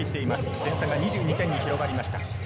点差は２２点、広がりました。